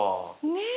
ねえ。